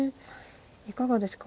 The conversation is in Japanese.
いかがですか